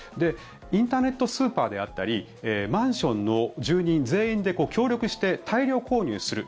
インターネットスーパーであったりマンションの住人全員で協力して大量購入する